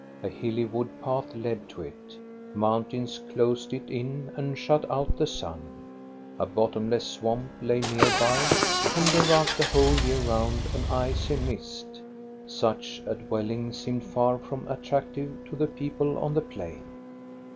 A hilly wood path led to it; mountains closed it in and shut out the sun ; a bottomless swamp lay near by and gave out the whole year round an icy mist Such a dwelling seemed far from attractive to the people on the plain.